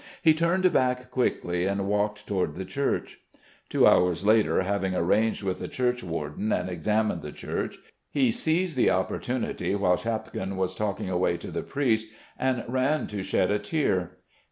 He turned back quickly and walked towards the church. Two hours later, having arranged with the churchwarden and examined the church, he seized the opportunity while Shapkin was talking away to the priest, and ran to shed a tear.